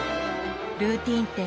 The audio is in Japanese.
ルーティンって